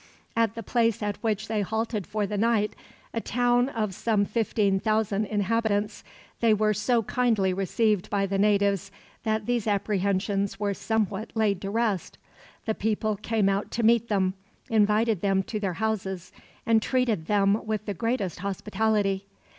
At the place at which they halted for the night, a town of some fifteen thousand inhabitants, they were so kindly received by the natives that these apprehensions were somewhat laid to rest. The people came out to meet them, invited them to their houses, and treated them with the greatest hospitality.